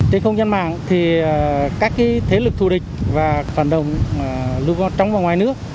trên không gian mạng thì các cái thế lực thù địch và phản động trong và ngoài nước